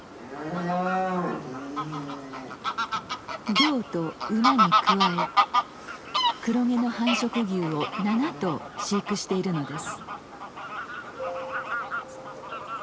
漁と馬に加え黒毛の繁殖牛を７頭飼育しているのです。